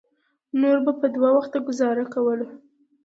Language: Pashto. نورو به په دوه وخته ګوزاره کوله.